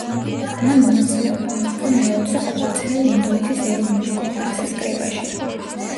მან მონაწილეობა მიიღო მეოცე ყოველწლიურ ინდოეთის ეროვნული კონგრესის კრებაში.